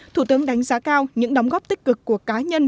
thủ tướng đánh giá cao những đóng góp tích cực của cá nhân